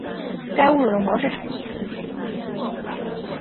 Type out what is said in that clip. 该物种的模式产地在印度西北部库蒙。